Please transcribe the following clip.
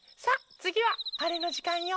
つぎはあれのじかんよ！